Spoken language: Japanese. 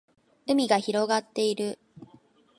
海が広がっている